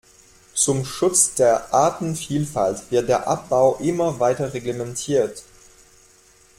Zum Schutz der Artenvielfalt wird der Abbau immer weiter reglementiert.